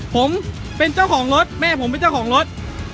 ผมเป็นเจ้าของรถแม่ผมเป็นเจ้าของรถ